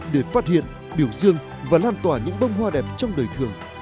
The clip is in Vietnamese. để phát hiện biểu dương và lan tỏa những bông hoa đẹp trong đời thường